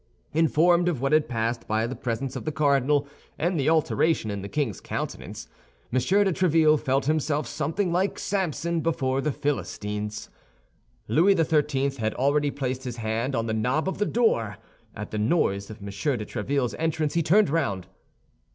Informed of what had passed by the presence of the cardinal and the alteration in the king's countenance, M. de Tréville felt himself something like Samson before the Philistines. Louis XIII. had already placed his hand on the knob of the door; at the noise of M. de Tréville's entrance he turned round.